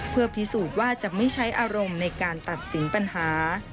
เพื่อพิสูจน์ว่าจะไม่ใช้อารมณ์ในการตัดสินปัญหา